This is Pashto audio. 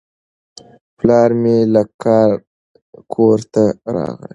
پلار مې له کاره کور ته راغی.